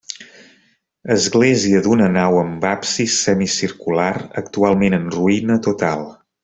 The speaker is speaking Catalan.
Església d'una nau amb absis semicircular, actualment en ruïna total.